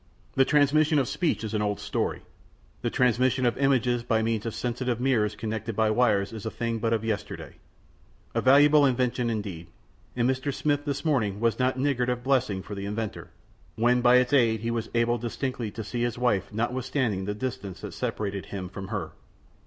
The transmission of speech is an old story; the transmission of images by means of sensitive mirrors connected by wires is a thing but of yesterday. A valuable invention indeed, and Mr. Smith this morning was not niggard of blessings for the inventor, when by its aid he was able distinctly to see his wife notwithstanding the distance that separated him from her.